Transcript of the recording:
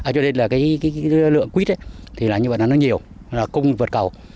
cho nên là cái lượng quýt thì là nhiều là cung vượt cầu